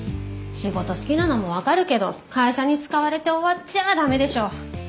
仕事好きなのもわかるけど会社に使われて終わっちゃだめでしょ。